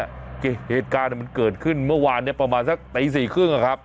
เหตุการณ์มันเกิดขึ้นเมื่อวานเนี่ยประมาณสักตี๔๓๐อะครับ